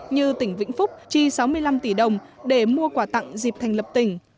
như tỉnh vĩnh phúc chi sáu mươi năm tỷ đồng để mua quà tặng dịp thành lập tỉnh